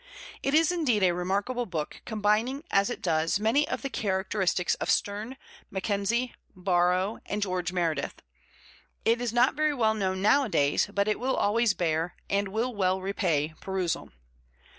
It is, indeed, a remarkable book, combining, as it does, many of the characteristics of Sterne, Mackenzie, Borrow, and George Meredith. It is not very well known nowadays, but it will always bear, and will well repay, perusal.